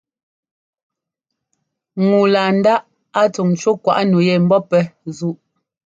Ŋu laa ńdáꞌ a tsuŋ ńcú kwaꞌ nu yɛ ḿbɔ́ pɛ́ zúꞌ.